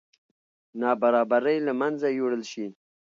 نابرابرۍ له منځه یوړل شي.